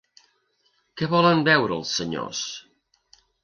Què volen beure els senyors?